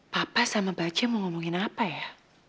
papa sama bace mau ngomongin apa ya